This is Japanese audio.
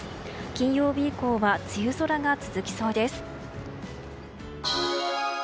金曜日以降は梅雨空が続きそうです。